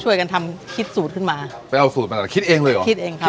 ช่วยกันทำคิดสูตรขึ้นมาไปเอาสูตรมาจากคิดเองเลยเหรอคิดเองครับ